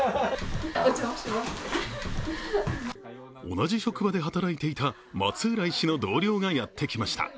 同じ職場で働いていた松浦医師の同僚がやってきました。